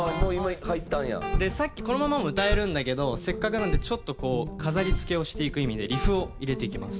でさっきこのままも歌えるんだけどせっかくなのでちょっとこう飾り付けをしていく意味でリフを入れていきます